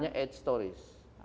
namanya delapan stories